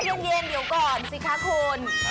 โมงเย็นเดี๋ยวก่อนสิคะคุณ